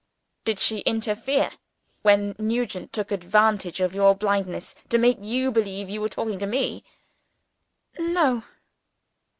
"Did she interfere, when Nugent took advantage of your blindness to make you believe you were talking to me?" "No."